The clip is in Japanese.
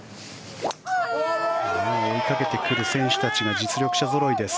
追いかけてくる選手たちが実力者ぞろいです。